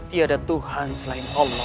tiada tuhan selain allah